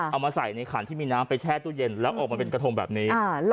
เอามาใส่ในขันที่มีน้ำไปแช่ตู้เย็นแล้วออกมาเป็นกระทงแบบนี้